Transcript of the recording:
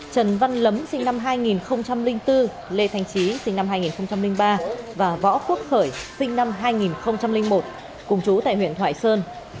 trần văn lấm sinh năm hai nghìn bốn lê thanh trí sinh năm hai nghìn ba và võ quốc khởi sinh năm hai nghìn một cùng chú tại huyện thoại sơn